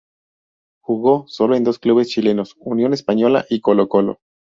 Jugó solo en dos clubes chilenos: Unión Española y Colo-Colo.